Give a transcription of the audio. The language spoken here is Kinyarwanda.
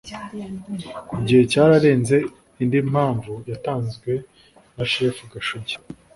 igihe cyararenze Indi mpamvu yatanzwe na shefu Gashugi